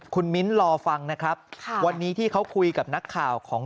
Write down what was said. คุณมิ้นรอฟังนะครับวันนี้ที่เขาคุยกับนักข่าวของ